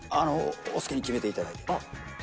お好きに決めていただいて。